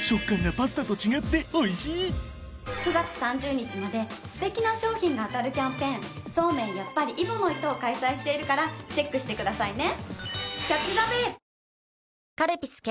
９月３０日まで素敵な賞品が当たるキャンペーン「そうめんやっぱり揖保乃糸」を開催しているからチェックしてくださいね！